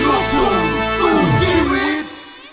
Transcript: รอคุมสู่ชีวิต